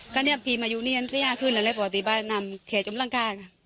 ก็เนี้ยพีมอายุเนี้ยอาจจะยากขึ้นแล้วเลยพอตีบ้านน้ำเขจมร่างคาค่ะ